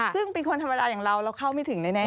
ซึ่งเป็นคนธรรมดาอย่างเราเราเข้าไม่ถึงแน่